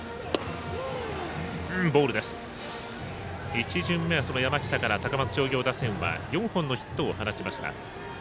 １巡目は、山北から高松商業打線は４本のヒットを放ちました。